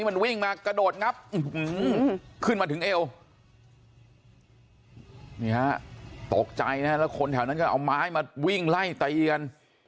มันวิ่งมากระโดดงับขึ้นมาถึงเอวนี่ฮะตกใจนะฮะแล้วคนแถวนั้นก็เอาไม้มาวิ่งไล่ตีกัน